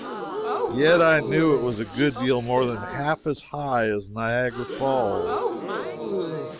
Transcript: Yet I knew it was a good deal more than half as high as Niagara Falls.